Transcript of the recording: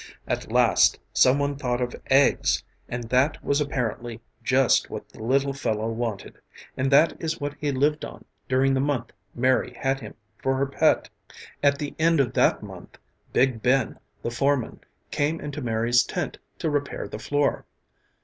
At last someone thought of eggs and that was apparently just what the little fellow wanted, and that is what he lived on during the month Mary had him for her pet. At the end of that month big Ben, the foreman, came into Mary's tent to repair the floor.